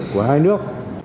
của hai nước